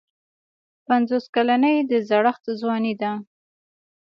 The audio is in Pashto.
پنځوس کلني د زړښت ځواني ده.